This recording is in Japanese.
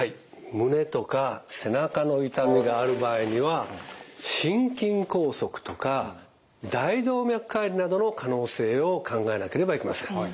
胸とか背中の痛みがある場合には心筋梗塞とか大動脈解離などの可能性を考えなければいけません。